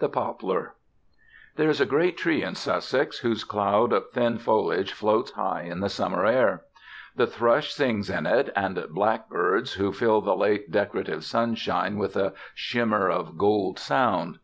THE POPLAR There is a great tree in Sussex, whose cloud of thin foliage floats high in the summer air. The thrush sings in it, and blackbirds, who fill the late, decorative sunshine with a shimmer of golden sound.